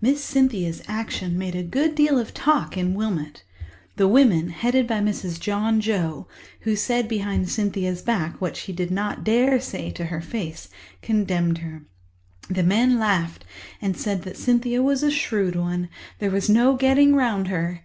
Miss Cynthia's Action made a good deal of talk in Wilmot. The women, headed by Mrs. John Joe—who said behind Cynthia's back what she did not dare say to her face—condemned her. The men laughed and said that Cynthia was a shrewd one; there was no getting round her.